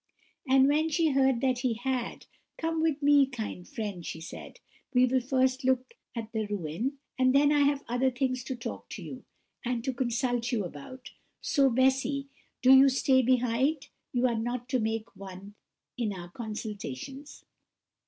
And when she heard that he had; "Come with me, kind friend," she said, "we will first look at the ruin, and then I have other things to talk to you, and to consult you about. So, Bessy, do you stay behind; you are not to make one in our consultations."